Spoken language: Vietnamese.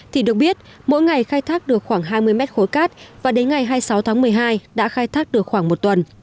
thì được biết mỗi ngày khai thác được khoảng hai mươi mét khối cát và đến ngày hai mươi sáu tháng một mươi hai đã khai thác được khoảng một tuần